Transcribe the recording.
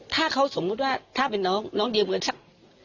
ถ้าเขาสมมุติว่าถ้าเป็นน้องเดี๋ยวเงินสัก๒๐๐๐๐